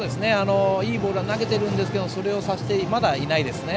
いいボールは投げているんですけどそれをさせていないですね